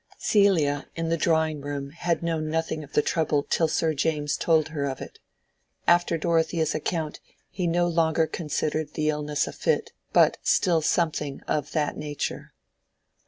Celia, in the drawing room, had known nothing of the trouble till Sir James told her of it. After Dorothea's account, he no longer considered the illness a fit, but still something "of that nature."